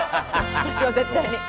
私は絶対に。